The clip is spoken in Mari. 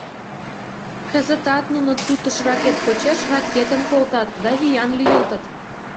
Кызытат нуно тутыш ракет почеш ракетым колтат да виян лӱйылтыт.